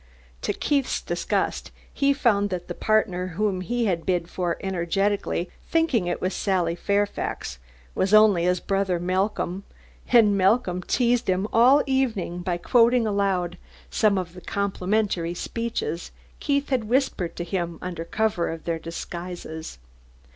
To Keith's disgust, he found that the partner whom he had bid for energetically, thinking it was Sally Fairfax, was only his brother Malcolm, and Malcolm teased him all evening by quoting aloud some of the complimentary speeches Keith had whispered to him under cover of their disguises.